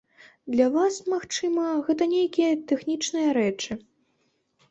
Для вас, магчыма, гэта нейкія тэхнічныя рэчы.